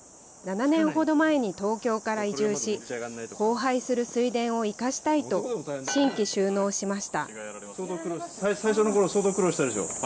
７年ほど前に東京から移住し、荒廃する水田を生かしたいと新規就農しました。